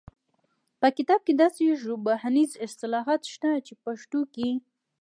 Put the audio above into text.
په کتاب کې داسې ژبپوهنیز اصطلاحات شته چې په پښتو کې